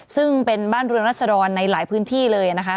ซึ่งเป็นบ้านเรือนรัศดรในหลายพื้นที่เลยนะคะ